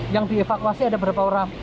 yang dievakuasi ada berapa orang